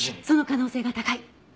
その可能性が高い。